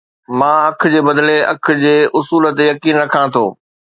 مان اک جي بدلي اک جي اصول تي يقين رکان ٿو